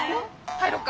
入ろうか。